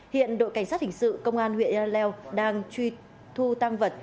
hiện đội cảnh sát hình sự công an huyện yaleo đang truy thu tăng vật